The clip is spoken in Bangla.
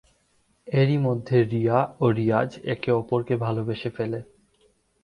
এরই মধ্যে রিয়া ও রিয়াজ একে-অপরকে ভালোবেসে ফেলে।